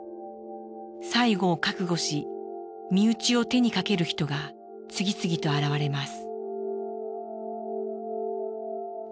最期を覚悟し身内を手にかける人が次々と現れます。